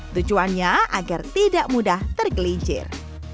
tujuannya agar tidak mudah tergelincir